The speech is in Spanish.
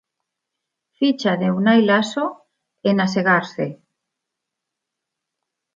Ficha de Unai Laso en Asegarce